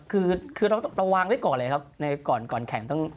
คือเราวางไว้ก่อนแหละครับก่อนแคมป์